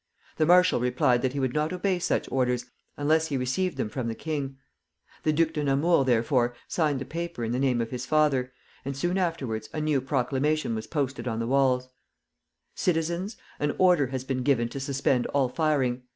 The marshal replied that he would not obey such orders unless he received them from the king. The Duc de Nemours therefore signed the paper in the name of his father, and soon afterwards a new proclamation was posted on the walls: Citizens! An order has been given to suspend all firing.